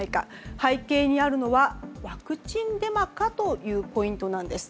背景にあるのは、ワクチンデマかというポイントです。